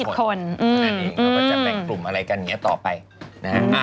นั่นเองเขาก็จะแบ่งกลุ่มอะไรกันอย่างนี้ต่อไปนะฮะ